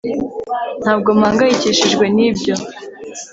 ntabwo mpangayikishijwe nibyo